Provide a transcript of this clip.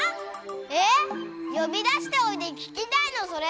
えっよび出しておいて聞きたいのそれ？